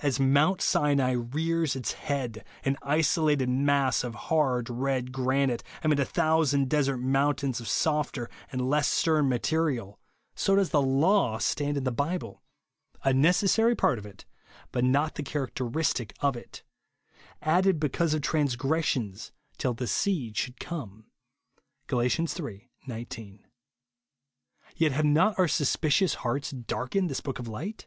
As Mount Sinai rears its head, an isolated mass of hard, red granite, amid a thousand desert mountains of softer and less stern material, so does the law stand in the Bible ;— a necessary part of it, — but not the characteristic of it ;" added because of transgressions till the seed should come," (Gal. iii. 19). Yet have 192 JESUS ONLY. not our suspicious hearts darkened tliis book of light